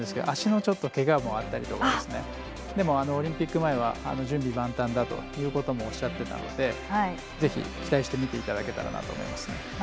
足のけがもあったりとかオリンピック前は準備万端だともおっしゃってたのでぜひ期待して見ていただけたらと思います。